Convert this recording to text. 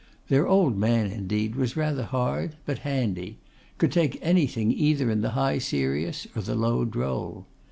Their old man, indeed, was rather hard, but handy; could take anything either in the high serious, or the low droll.